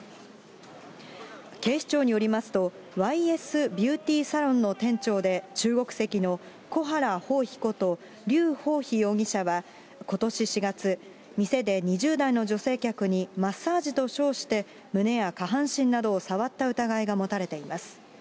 警視庁によりますと、ＹＳビューティーサロンの店長で、中国籍の小原ほうひことりゅうほうひ容疑者はことし４月、店で２０代の女性客にマッサージと称して胸や下半身などを触った疑いが持たれています。